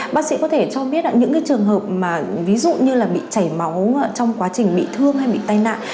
bác sĩ có thể cho biết những trường hợp mà ví dụ như là bị chảy máu trong quá trình bị thương hay bị tai nạn